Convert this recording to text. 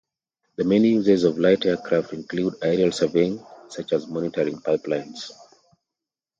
The many uses of light aircraft include aerial surveying, such as monitoring pipelines.